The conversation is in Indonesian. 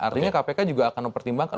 artinya kpk juga akan mempertimbangkan